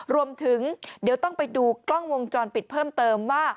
รวมถึงเดี๋ยวต้องไปดูกล้องวงจรปิดเพิ่มเติมว่า